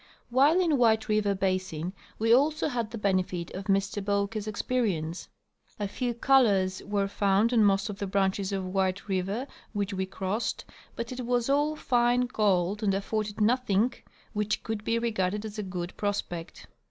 While in White River basin we also had the benefit of Mr Bowker's experience. A few " colors " Avere found on most of the branches of White river which we crossed, but it was all fine gold and afforded nothing which could be regarded as a good prospect.